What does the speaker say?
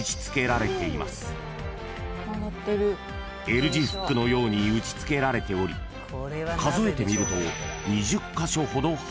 ［Ｌ字フックのように打ち付けられており数えてみると］